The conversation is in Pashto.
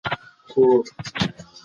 ښوونکي دا موضوع تشريح کوي.